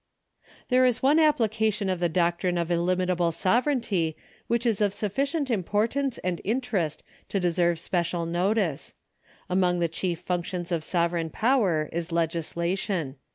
There is one application of the doctrine of illimitable sovereignty which is of sufficient importance and interest to deserve special notice. Among the chief functions of sovereign power is legislation.